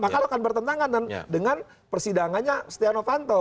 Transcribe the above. maka lho kan bertentangan dengan persidangannya stiano fanto